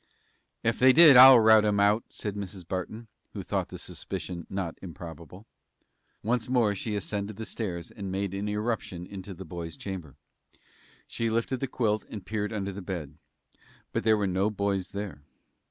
"Ef they did, I'll rout 'em out," said Mrs. Barton, who thought the supposition not improbable. Once more she ascended the stairs and made an irruption into the boy's chamber. She lifted the quilt, and peered under the bed. But there were no boys there.